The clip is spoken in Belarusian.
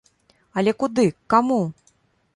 Але куды, к каму?